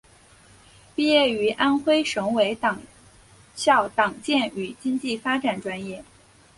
毕业于安徽省委党校党建与经济发展专业。